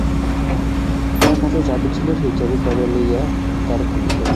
তাহার কাছে চাবি ছিল, সেই চাবি কাড়িয়া লইয়া দ্বার খুলিলেন।